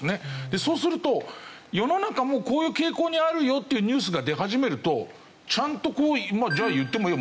でそうすると世の中もこういう傾向にあるよっていうニュースが出始めるとちゃんとこう「じゃあ言ってもいいわ」。